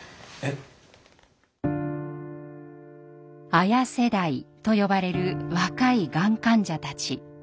「ＡＹＡ世代」と呼ばれる若いがん患者たち。